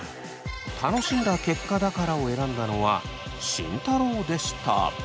「楽しんだ結果だから」を選んだのは慎太郎でした。